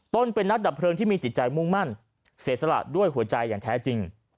เป็นนักดับเพลิงที่มีจิตใจมุ่งมั่นเสียสละด้วยหัวใจอย่างแท้จริง